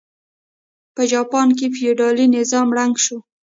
په جاپان کې فیوډالي نظام ړنګ شو.